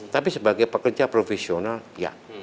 tapi sebagai pekerja profesional ya